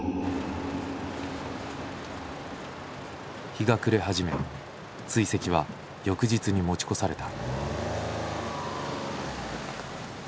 日が暮れ始め追跡は翌日に持ち越された。